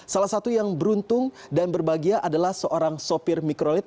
salah satu yang beruntung dan berbahagia adalah seorang sopir mikrolit